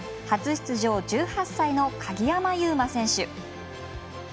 初出場、１８歳の鍵山優真選手。